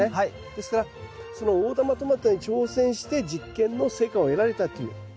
ですからその大玉トマトに挑戦して実験の成果を得られたということはですね